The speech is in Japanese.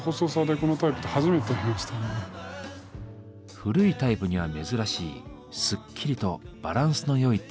古いタイプには珍しいスッキリとバランスのよいデザイン。